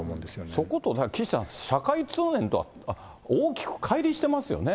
そこと岸さん、社会通念とは大きくかい離してますよね。